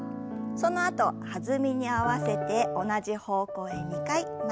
そのあと弾みに合わせて同じ方向へ２回曲げて戻します。